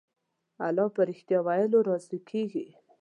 الله په رښتيا ويلو راضي کېږي.